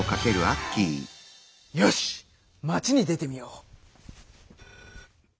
よし町に出てみよう！